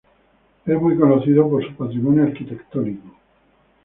Es muy conocida por su patrimonio arquitectónico.